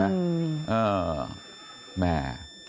เออแม่